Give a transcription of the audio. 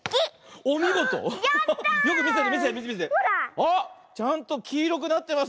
あっちゃんときいろくなってます。